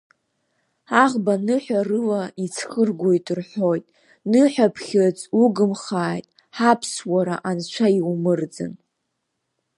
Аӷба ныҳәарыла иӡхыргоит рҳәоит, ныҳәаԥхьыӡ угымхааит, ҳаԥсуара анцәа иумырӡын!